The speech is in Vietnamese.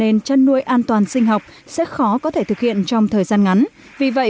nền chăn nuôi an toàn sinh học sẽ khó có thể thực hiện trong thời gian ngắn vì vậy